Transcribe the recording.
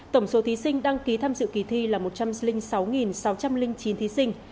tổng số thí sinh đăng ký tham dự kỳ thi là một trăm linh sáu sáu trăm linh chín thí sinh